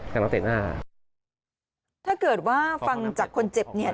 แต่มาเตะหน้าถ้าเกิดว่าฟังจากคนเจ็บเนี่ย